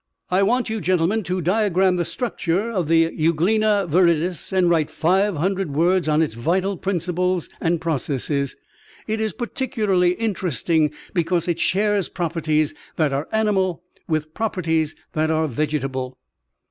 I want you gentlemen to diagram the structure of the Euglena viridis and write five hundred words on its vital principles and processes. It is particularly interesting because it shares properties that are animal with properties that are vegetable."